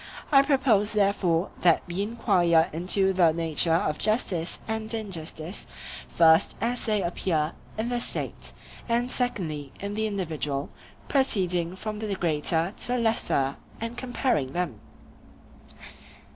I propose therefore that we enquire into the nature of justice and injustice, first as they appear in the State, and secondly in the individual, proceeding from the greater to the lesser and comparing them.